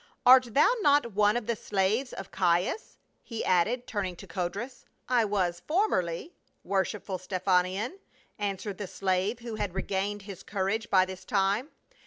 "Art thou not one of the slaves of Caius ?" he added, turn ing to Codrus. " I was formerly, worshipful Stephanion," answered the slave, who had regained his courage by this time.